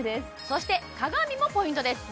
そして鏡もポイントです